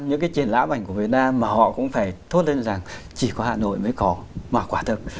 những cái triển lãm ảnh của việt nam mà họ cũng phải thốt lên rằng chỉ có hà nội mới có mà quả thực